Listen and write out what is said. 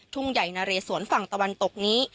ทุ่งใหญ่นะเรสวนฝั่งตะวันตกนี้